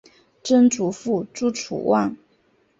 曾祖父朱楚望。